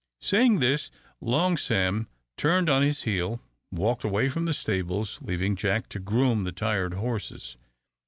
Saying this, Long Sam, turning on his heel, walked away from the stables, leaving Jack to groom the tired horses.